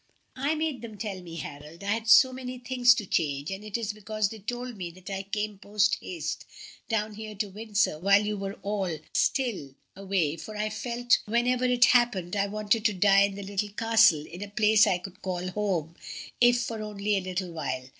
"I made them tell me, Harold, I had so many things to arrange, and it is because they told me that I came post haste down here to Windsor while you were all still away, for I felt, whenever it happened, I wanted to die in the Little Castle, in a place I could call home, if for only a little while.